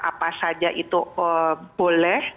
apa saja itu boleh